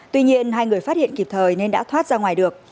tuy nhiên hai người phát hiện kịp thời nên đã thoát ra ngoài được